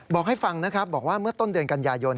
บอกให้ฟังนะครับบอกว่าเมื่อต้นเดือนกันยายน